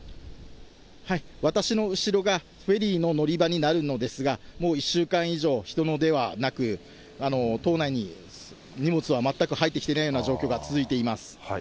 私の後ろがフェリーの乗り場になるのですが、もう１週間以上、人の出はなく、島内に荷物は全く入ってきてないような状況が続いています。